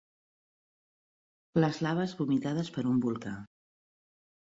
Les laves vomitades per un volcà.